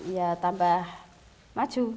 ya tambah maju